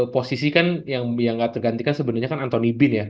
posisi kan yang ga tergantikan sebenernya kan anthony bean ya